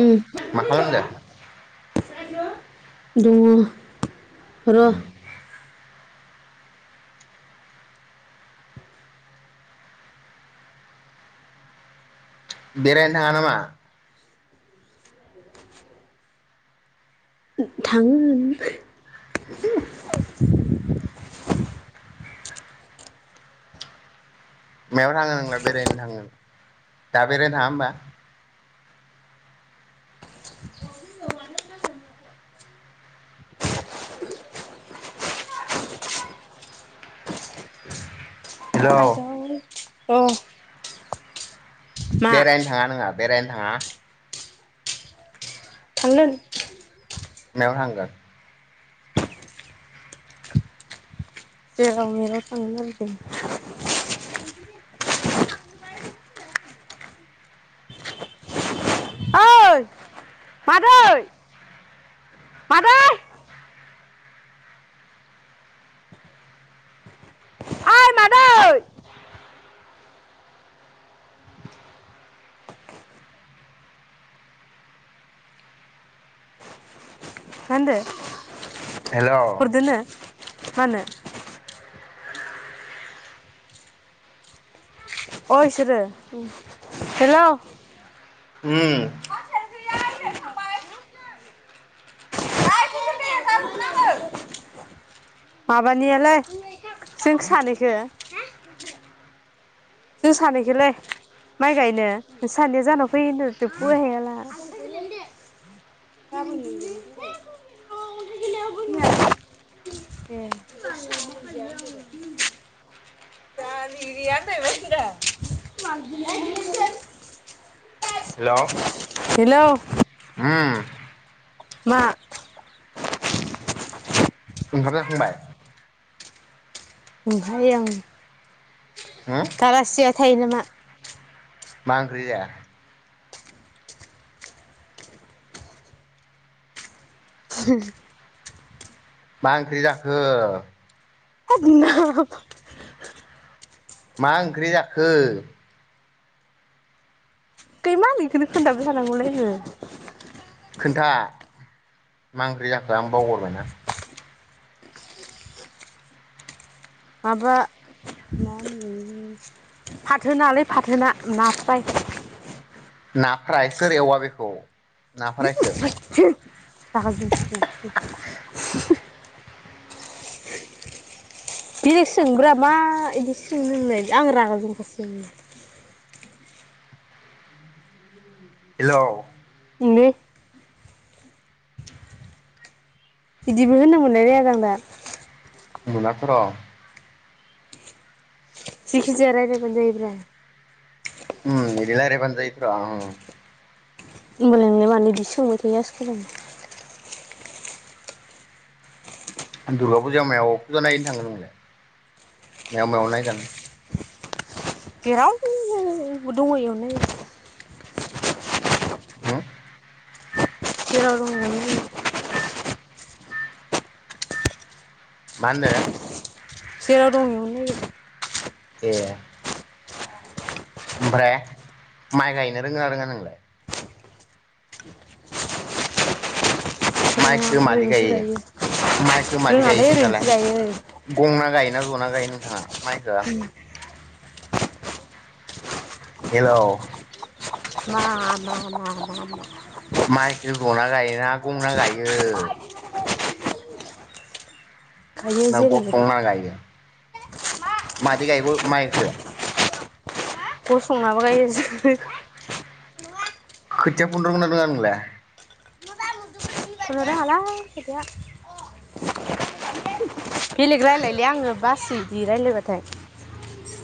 उम मा खालामदो दङ' र' बेरायनो थाङा नामा थाङो मायाव थाङो नोंलाय बेरायनो थाङो दा बेरायनो थाङा होमबा हेलौ आयदै अ मा बेरायनो थाङा नोंहा बेरायनो थाङा थांगोन मायाव थांगोन जेराव मेराव थाङोन आरो जों ओइ मादै मादै नै मा होनदों हेलौ हरदोंनो मानो अ इसोरो हेलौ उम माबानिया लै जों सानैखौ जों सानैखौलै माइ गायनो नोंसोर सानैया जोहानाव फैयो होनथ फराय हायला गाबोन लिंदों ए हेलौ हेलौ उम मा ओंखाम जाखांबाय ओमफ्राय आं हो दालासि जाया थायो नामा मा ओंख्रि जाया [inaudible] मा ओंख्रि जाखो थोथ गुनना मा ओंख्रि जाखो खै मा बेखोनो खोनथाबाय थानांगौलाय नो खोन्था मा ओंख्रि जाखो आं बावगारबायना माबा फाथो ना लै फाथो ना ना फ्राय ना फ्राय सोर एवा बेखौ ना फ्राय खौ [unintelligible] बिदि सोंग्रा मा बिदि सोंङो नोंलाय आं रागा जोंङो सो हेल' उमलै बिदिबो होननो मोनलाय लाया आरो आं दा गलाखौ र' [inaudible] [unintelligible] जिखिजाया रायज्लायबानो जायोब्रा उ एदि रायज्लायबानो जायोब्रा होनबालाय नोंलाय मानो इदि सोंबाय थायो [inaudible] [unintelligible] दुर्गा फुजायाव मायाव फुजा नायैनो थाङो नोंलाय मायाव मायाव नायजानो जेराव दङ इयावनो नायो हो जेराव दङ बेयावनो नायो [inaudible] [unintelligible] मा होनदों जेराव दं इयावनो नायो ए ओमफ्राय माइ गायनो रोंगोना रोङा नोंलाय रोङा माइखौ मादि ओरैनोसो गायो माइखौ मादि गायो रोङालै ओरैनोसो खोन्थालाय गायो गंना गायो ना जना जायो नोंथाङा माइखो हेल' मा मा मा मा मा माइखो जना गायोना गंना गायो गायो ना जेरैबायदि गसंना गायो मादि गायख' मायखो गसंनाबो गायो जो खोथिया फुनो रोंगौना रोङा नोंलाय फुनो रोङालै खोथिया बेलेग रायलायलै आङो बासोयो इदि रायलायबाथाय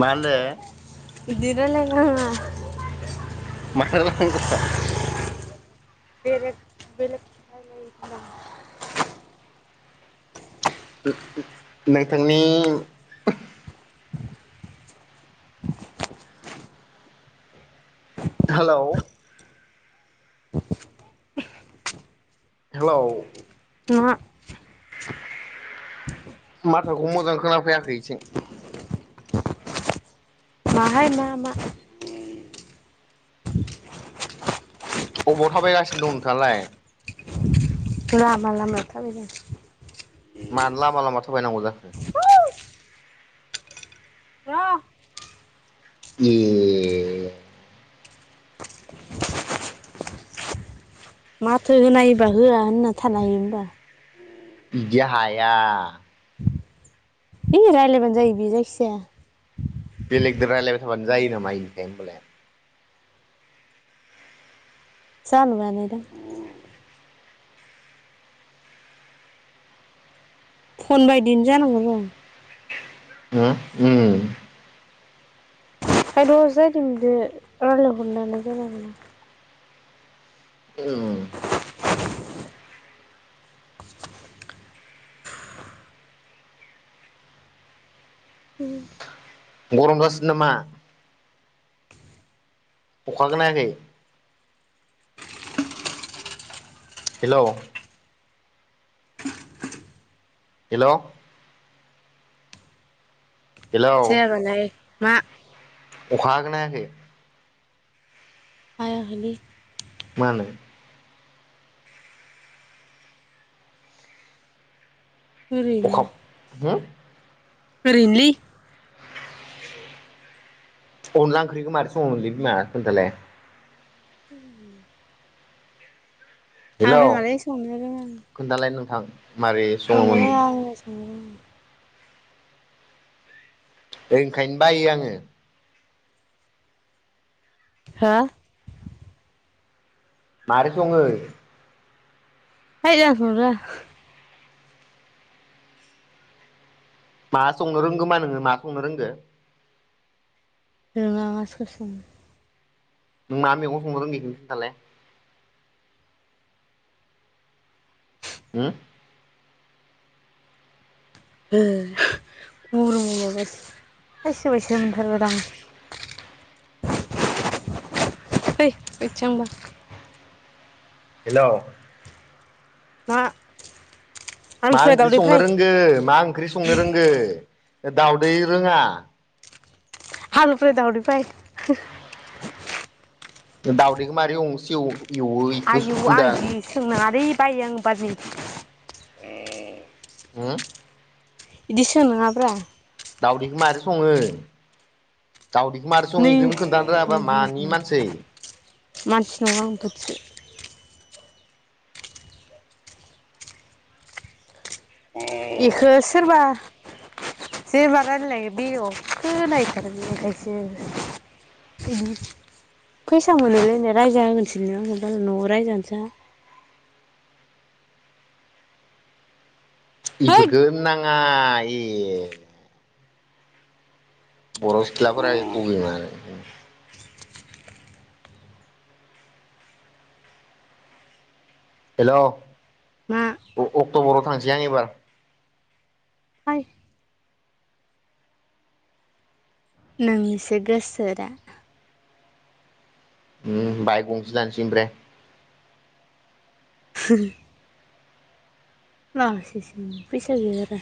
मा होनदो बिदि रायलायनो नाङा मार [unintelligible] बेलेग बेलेग नोंथांनि हेलौ हेल' मा माथोखौ मोजां खोनाफैयाखै इथिं माहाय मा मा अबाव थाबायगासिनो दं नोंथाङालाय लामा लामा थाबायदों मानो लामा लामा थाबायनांगौ जाखो ए माथो होनायबा होआ होनना थानो हायो होमबा बिदि हाया है रायलायबानो जायो बे जायखिया बेलेगजों रायजलायबाय थाबानो जायो नामा इनिखाय सा नुनानै दां फन बायदिनो जानांगौ र हो ओम [unintelligible] जाजों बिद' रायज्लायहरनानै [unintelligible] ओं। ओम। गरमगासिनो नामा? अखाखो नायाखै? हेल'? हेल'? हेलौ साया बालाय। मा? अखा हागोना हायाखै? हायाखैलै। मानो? ओरैनो अखाव हो? ओरैनोलै। अनला ओंख्रिखौ मारै सङोलै बिमा खोनथालाय। [unintelligible] आं हेल' रोङालै संनो रोङा खोन्थालाय नोंथां। मारै संनो सङोमोन रोङा आङो संनो रोङा। ओंखायनो बायो आङो। हा? मारै सङो? है आं संनो रोङा। मा संनो रोंगौ होनबा नोङो मा संनो रोंगो? रोङा आं गासिखौबो संनो। नों ना मैगं संनो रोंगौ इखौनो खोनथालाय। होम। ओ गरमाव माबा खायसो बायसो मोनथारबायलां, फै बैथिं थांनोबा। हेल'? मा? आलु मा फ्राय ओंख्रि दावदै संनो फ्राय रोंगो मा ओंख्रि संनो रोंगो? ओ दाउदै रोङा? आलु फ्राय दउदै फ्राय। दावदैखौ मारै एव सि एवो इखौ आयु खोन्था आं जि सोंनाङा रि बायो आं [unintelligible] होम? बिदि सोंनाङाब्रा। दावदैखौ मारै सङो? दावदैखौ मारै सङो नै इखोनो खोन्थानो रोङाबा मानि मानसै। मानसि नङा अनथोबसो। इखौ सोरबा जेनेबा रायलायो बेलेगाव खोनाहैथारो बे बेखायसो, फैसा मोनलायनाय रायजा होगोनसोलै नों आंगो [unintelligible] न'आव रायजागोनसो। हैद इफोरखो नां आ एह। बर' सिख्लाफोरा [inaudible] हेलौ मा अक्ट'बराव थांसै आं एबार फाय नोंनिसो गोसोरा उम बाइक गंसे लानोसै ओमफ्राय [inaudible] लानोसैसो फैसा गैया गारा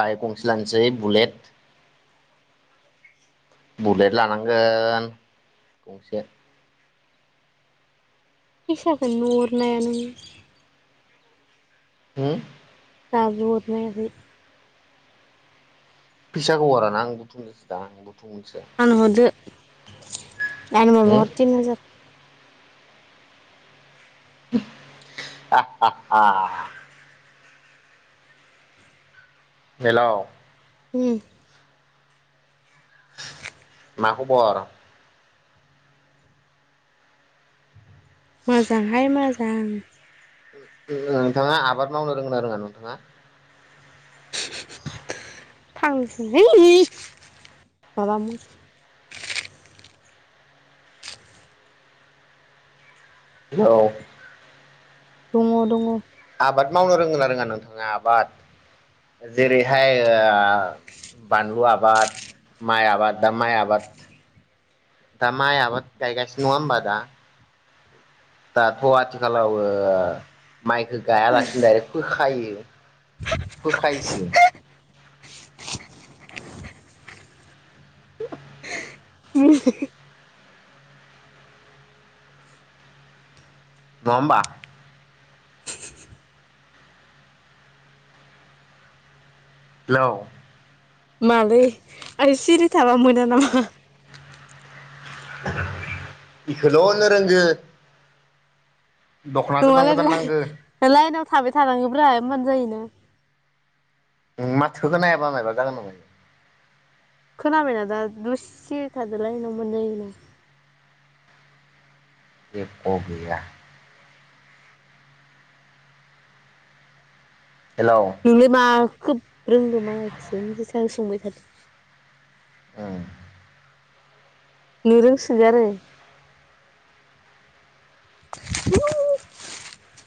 बायक गंसे लानोसै बुलेट बुलेट लानांगोन गंसे फैसाखौ नुहरनाया नोङो हम दाबो हदनो हायाखै फैसाखौ हराना आं बुथुमनोसै दां आं बु आंनो हरदो दानि माबा होम हर थिनि हाजार [inaudible] हेल' उम मा खबर मोजांहाय मोजां नोंथाङा आबाद मावनो रोंगौ ना रोङा नोंथाङा [unintelligible] माबा उम हेल' दङ दङ आबाद मावनो रोंङो ना रोङा नोंथाङा आबाद जेरैहाय बानलु आबाद माइ आबाद दा माइ आबाद दा माइ आबाद गायगासिनो नङा होमबा दा दाथ' आथिखालाव ओ माइखौ गायालासिनो दाइरेक्ट फो खायो फोखायसो [unintelligible] नङा होम्बा हेल' मालै आंङो सिरि थाबा मोना नामा इखोल' होननो रोंगो दख'ना गोदान नङालैय गोदान नांगो लाइ लाइनाव थाबाय थानांगोब्रा होमबानो जायोना नों नि माथोखो खोनायाबा मायबा जागोन नामा इयो खोनाबायना दा दुससे थादोलाय न मोनबाय ना ए ख गैया हेलौ नोंलाय मा खोब रोंगौ मालायखोसो बेसां सोंबाय थादों उम नों रोंसोगारो [unintelligible]